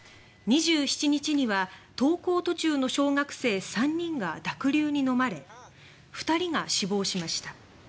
２７日には登校途中の小学生３人が濁流にのまれ２人が死亡しました。